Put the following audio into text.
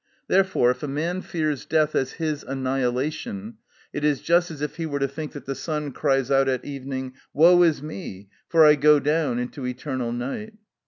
Therefore, if a man fears death as his annihilation, it is just as if he were to think that the sun cries out at evening, "Woe is me! for I go down into eternal night."